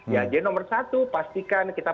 jadi nomor satu pastikan kita